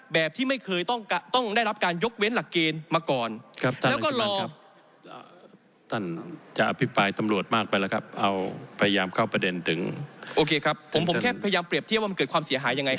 แบบที่ไม่เคยต้องได้รับการยกเว้นหลักเกณฑ์มาก่อนครับ